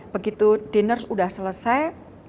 begitu diner sudah selesai